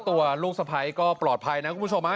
ตัวลูกสะพ้ายก็ปลอดภัยนะคุณผู้ชมฮะ